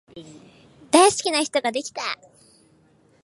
大好きな人ができた